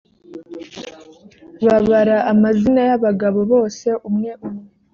babara amazina y abagabo bose umwe umwe